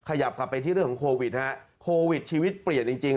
ขยับกลับไปที่เรื่องของโควิดฮะโควิดชีวิตเปลี่ยนจริงจริง